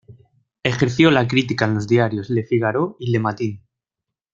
Ejerció la crítica en los diarios "Le Figaro" y "Le Matin".